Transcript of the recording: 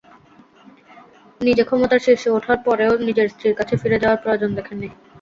নিজে ক্ষমতার শীর্ষে ওঠার পরেও নিজের স্ত্রীর কাছে ফিরে যাওয়ার প্রয়োজন দেখেননি।